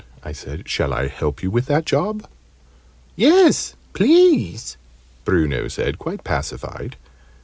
I said. "Shall I help you with that job?" "Yes, please," Bruno said, quite pacified.